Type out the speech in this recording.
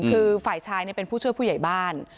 คือฝ่ายชายเป็นผู้ช่วยผู้ใหญ่บ้าน